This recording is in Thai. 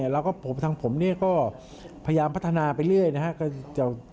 และก็ผมทางผมก็พยายามพัฒนาไปเรื่อย